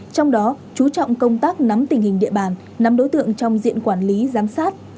trong đó chú trọng công tác nắm tình hình địa bàn nắm đối tượng trong diện quản lý giám sát